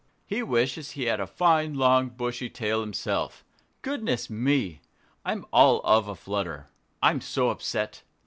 He wishes he had a fine, long, bushy tail himself. Goodness me! I'm all of a flutter I'm so upset."